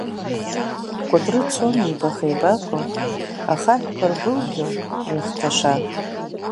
Кәыдры цон еибаха-еибафо, ахаҳәқәа рбылгьо, ирыхҟьаша.